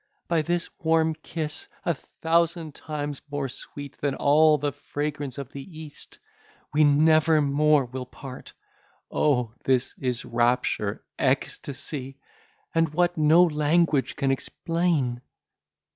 By this warm kiss! a thousand times more sweet than all the fragrance of the East! we nevermore will part. O! this is rapture, ecstasy, and what no language can explain!"